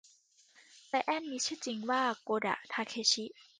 ไจแอนท์มีชื่อจริงว่าโกดะ ทาเคชิ